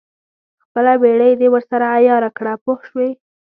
خپله بېړۍ دې ورسره عیاره کړه پوه شوې!.